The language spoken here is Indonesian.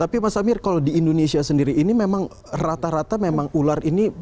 tapi mas amir kalau di indonesia sendiri ini memang rata rata memang ular ini